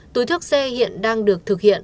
túi thuốc c hiện đang được thực hiện